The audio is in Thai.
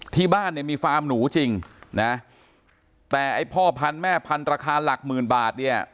ที่บ้านเนี่ยมีฟาร์มหนูจริงนะแต่ไอ้พ่อพันธุ์แม่พันธุ์ราคาหลักหมื่นบาทเนี่ย